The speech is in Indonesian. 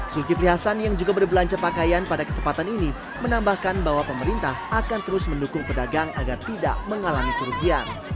zulkifli hasan yang juga berbelanja pakaian pada kesempatan ini menambahkan bahwa pemerintah akan terus mendukung pedagang agar tidak mengalami kerugian